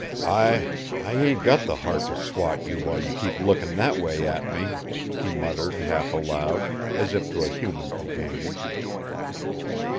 "I I ain't got the heart to swat you while you keep lookin' that way at me," he muttered half aloud, as if to a human companion.